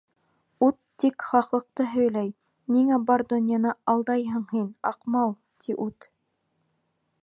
Ут тик хаҡлыҡты һөйләй, ниңә бар донъяны алдайһың һин, Аҡма-ал, ти ут.